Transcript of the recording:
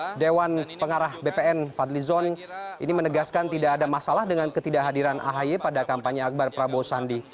ketua dewan pengarah bpn fadli zon ini menegaskan tidak ada masalah dengan ketidakhadiran ahy pada kampanye akbar prabowo sandi